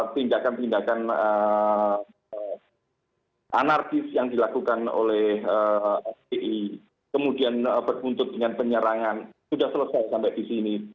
tindakan tindakan anarkis yang dilakukan oleh fpi kemudian berbuntut dengan penyerangan sudah selesai sampai di sini